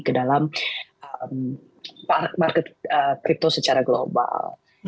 ke dalam market crypto secara global